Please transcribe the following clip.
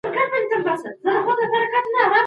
شيطان د انسان ښکاره دښمن دی.